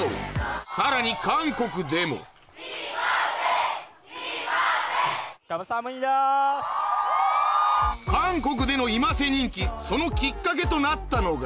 さらに韓国での ｉｍａｓｅ 人気そのきっかけとなったのが